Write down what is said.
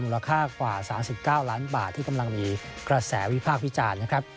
ราคากว่า๓๙ล้านบาทที่กำลังมีกระแสวิพากษ์วิจารณ์นะครับ